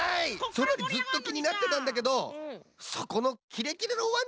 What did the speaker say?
それよりずっときになってたんだけどそこのキレキレのワンちゃんだぁれ？